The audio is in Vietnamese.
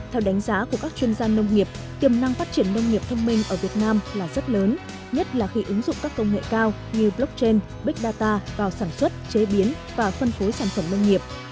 theo đánh giá của các chuyên gia nông nghiệp tiềm năng phát triển nông nghiệp thông minh ở việt nam là rất lớn nhất là khi ứng dụng các công nghệ cao như blockchain big data vào sản xuất chế biến và phân phối sản phẩm nông nghiệp